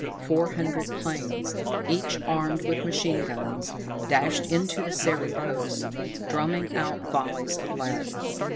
Four hundred planes, each armed with machine guns, dashed into the serried hosts, drumming out volleys of lead.